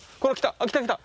あ来た来た。